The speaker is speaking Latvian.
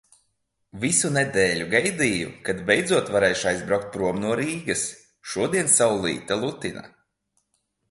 Visu nedēļu gaidīju, kad beidzot varēšu aizbraukt prom no Rīgas. Šodien saulīte lutina.